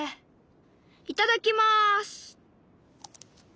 いただきます！